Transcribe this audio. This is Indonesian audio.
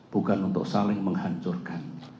bukan untuk saling menghancurkan